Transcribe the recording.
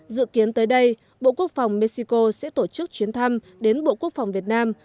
dự kiến tới đây bộ quốc phòng mexico sẽ tổ chức chuyến thăm đến bộ quốc phòng việt nam